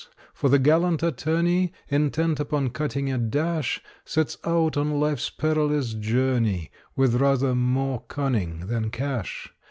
for the gallant attorney, Intent upon cutting a dash, Sets out on life's perilous journey With rather more cunning than cash.